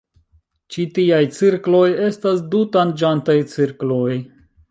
Ĉi tiaj cirkloj estas du-tanĝantaj cirkloj.